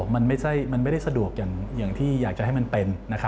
มันไม่ได้สะดวกอย่างที่อยากจะให้มันเป็น